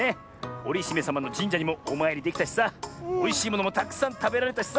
おりひめさまのじんじゃにもおまいりできたしさおいしいものもたくさんたべられたしさ！